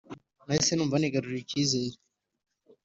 Nahise numva nigaruriye icyizere